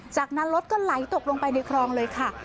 จากนั้นรถก็ไหลตกลงไปในคลองเลยค่ะ